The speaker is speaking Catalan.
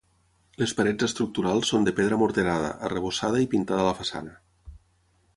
Les parets estructurals són de pedra morterada, arrebossada i pintada a la façana.